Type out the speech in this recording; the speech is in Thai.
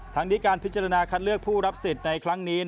ทั้งนี้การพิจารณาคัดเลือกผู้รับสิทธิ์ในครั้งนี้